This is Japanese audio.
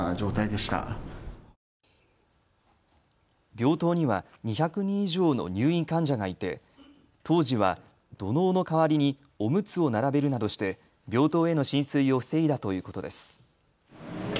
病棟には２００人以上の入院患者がいて当時は土のうの代わりにおむつを並べるなどして病棟への浸水を防いだということです。